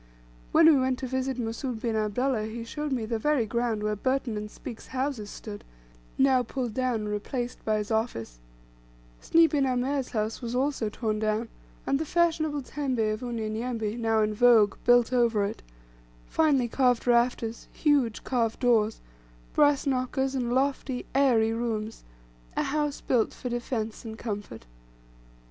When we went to visit Mussoud bin Abdullah, he showed me the very ground where Burton and Speke's house stood now pulled down and replaced by his office Sny bin Amer's house was also torn down, and the fashionable tembe of Unyanyembe, now in vogue, built over it, finely carved rafters huge carved doors, brass knockers, and lofty airy rooms a house built for defence and comfort.